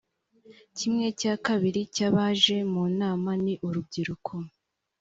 kimwe cya kabiri cy’abaje mu nama ni urubyiruko